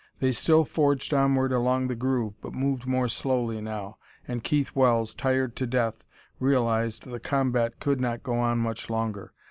They still forged onward along the groove, but moved more slowly now, and Keith Wells, tired to death, realized the combat could not go on much longer.